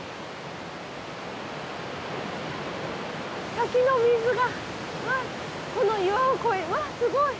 滝の水がこの岩を越えてうわすごい。